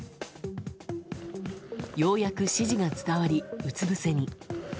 ようやく指示が伝わりうつぶせに。